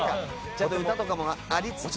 ちゃんと歌とかもありつつ。